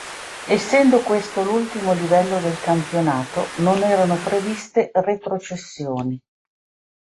Essendo questo l'ultimo livello del campionato, non erano previste retrocessioni.